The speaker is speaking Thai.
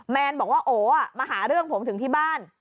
แนนบอกว่าโอ๋มาหาเรื่องผมถึงที่บ้าน